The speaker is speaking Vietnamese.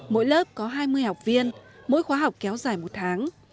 mỗi lớp có hai mươi học viên mỗi khóa học kéo dài một tháng